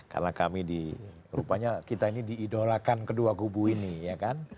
karena kami di rupanya kita ini diidorakan kedua kubu ini ya kan